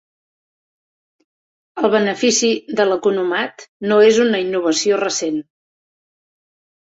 El benefici de l'economat no és una innovació recent.